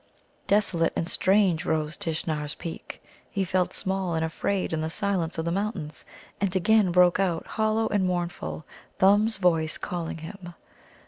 Desolate and strange rose Tishnar's peak. He felt small and afraid in the silence of the mountains. And again broke out, hollow and mournful, Thumb's voice calling him.